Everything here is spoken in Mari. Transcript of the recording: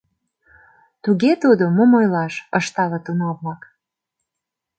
— Туге тудо, мом ойлаш, — ышталыт уна-влак.